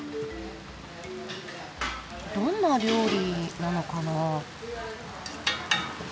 どんな料理なのかな？